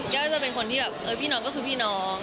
ก็จะเป็นคนที่แบบเออพี่น้องก็คือพี่น้อง